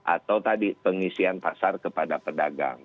atau tadi pengisian pasar kepada pedagang